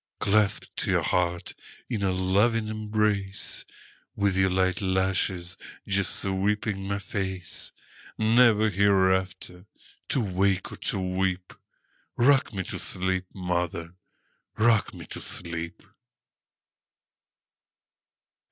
Clasped to your heart in a loving embrace, With your light lashes just sweeping my face, Never hereafter to wake or to weep;—Rock me to sleep, mother,—rock me to sleep!